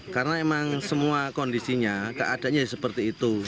karena emang semua kondisinya keadanya seperti itu